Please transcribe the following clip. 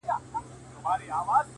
تفریح د خوشحال ژوند اړتیا ده